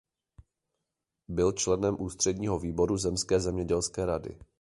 Byl členem ústředního výboru zemské zemědělské rady.